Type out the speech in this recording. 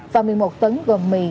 và một mươi một tấn gồm mì